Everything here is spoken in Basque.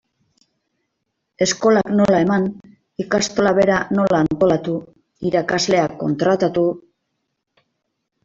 Eskolak nola eman, ikastola bera nola antolatu, irakasleak kontratatu...